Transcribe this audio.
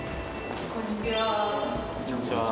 こんにちは。